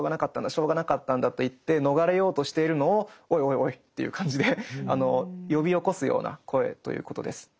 しょうがなかったんだ」と言って逃れようとしているのを「おいおいおい」という感じで呼び起こすような声ということです。